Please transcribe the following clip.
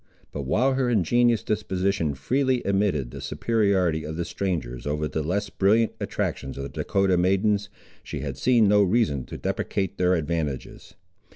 But while her ingenuous disposition freely admitted the superiority of the strangers over the less brilliant attractions of the Dahcotah maidens, she had seen no reason to deprecate their advantages.